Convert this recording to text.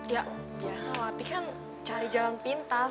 ya biasa tapi kan cari jalan pintas